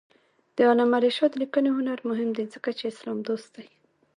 د علامه رشاد لیکنی هنر مهم دی ځکه چې اسلام دوست دی.